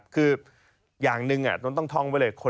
คืออย่างหนึ่งน้นต้องท่องไว้เลย